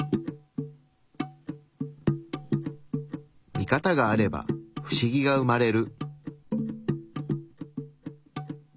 ミカタがあればフシギが生まれる。